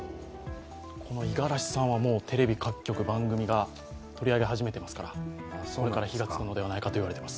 この五十嵐さんはテレビ各局、番組が取り上げ始めてますからこれから火がつくのではないかと言われています。